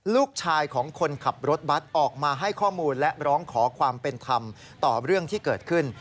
ลูกชายของคนขับรถบัตรออกมาให้ข้อมูลและร้องขอความเป็นธรรมต่อเรื่องที่เกิดขึ้น